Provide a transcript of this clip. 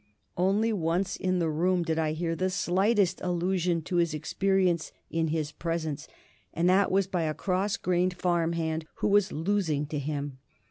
Only once in the room did I hear the slightest allusion to his experience in his presence, and that was by a cross grained farm hand who was losing to him.